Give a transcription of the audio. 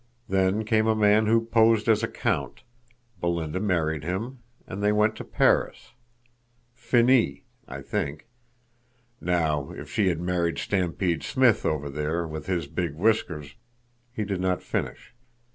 Then came a man who posed as a count, Belinda married him, and they went to Paris. Finis, I think. Now, if she had married Stampede Smith over there, with his big whiskers—" He did not finish.